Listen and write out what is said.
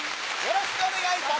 よろしくお願い。